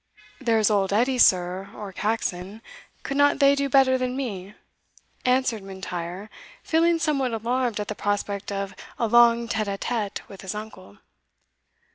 "There is old Edie, sir, or Caxon could not they do better than me?" answered M'Intyre, feeling somewhat alarmed at the prospect of a long tete a tete with his uncle.